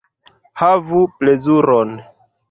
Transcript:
Havu plezuron!